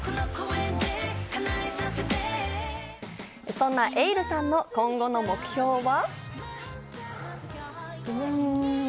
そんなｅｉｌｌさんの今後の目標は。